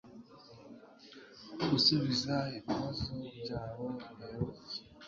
Gusubiza ibibazo byawe biherutse